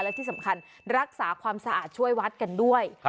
และที่สำคัญรักษาความสะอาดช่วยวัดกันด้วย